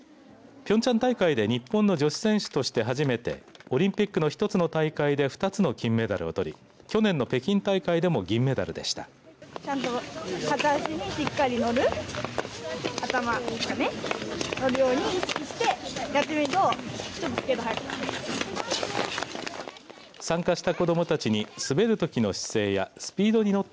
ピョンチャン大会で日本の女子選手として初めてオリンピックの一つの大会で２つの金メダルを取り去年の北京大会でも銀メダルでした。